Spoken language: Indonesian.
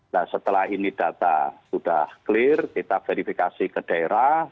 nah setelah ini data sudah clear kita verifikasi ke daerah